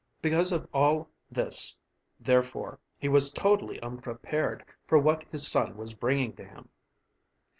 Because of all this, therefore, he was totally unprepared for what his son was bringing to him.